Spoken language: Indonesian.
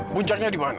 puncaknya di mana